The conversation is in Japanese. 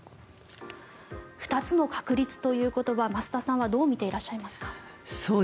二つの確立という言葉増田さんはどう見ていらっしゃいますか？